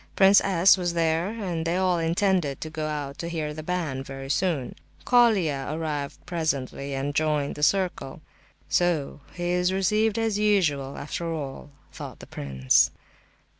Prince S. was there; and they all intended to go out to hear the band very soon. Colia arrived presently and joined the circle. "So he is received as usual, after all," thought the prince.